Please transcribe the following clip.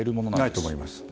ないと思います。